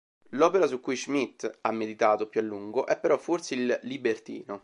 L'opera su cui Schmitt ha meditato più a lungo è però, forse, "Il libertino".